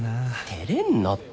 照れんなって。